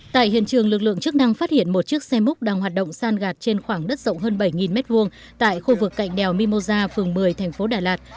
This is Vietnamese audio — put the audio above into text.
tại hiện trường lực lượng chức năng phát hiện một chiếc xe múc đang hoạt động san gạt trên khoảng đất rộng hơn bảy m hai tại khu vực cạnh đèo mimosa phường một mươi thành phố đà lạt